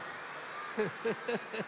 フフフフフ。